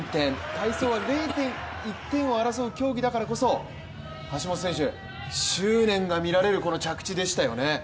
体操は０．１点を争う競技だからこそ橋本選手、執念がみられるこの着地でしたよね。